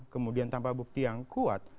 kemudian tanpa bukti yang kuat